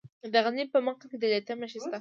د غزني په مقر کې د لیتیم نښې شته.